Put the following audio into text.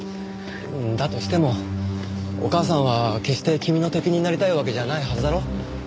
だとしてもお母さんは決して君の敵になりたいわけじゃないはずだろ？